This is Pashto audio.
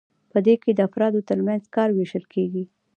په دې کې د افرادو ترمنځ کار ویشل کیږي.